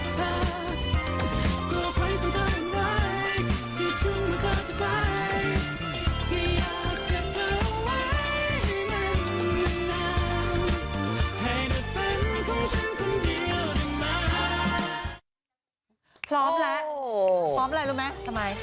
ก็คิดว่าไม่ใช่การรับความรู้สึกเธอ